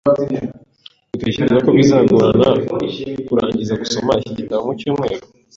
Utekereza ko bizagorana kurangiza gusoma iki gitabo mucyumweru?